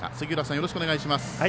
よろしくお願いします。